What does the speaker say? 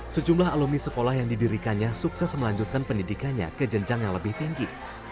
sejumlah alumni sekolah yang didirikannya sukses melanjutkan pendidikannya ke jenjang yang lebih tinggi